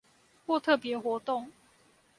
或特別活動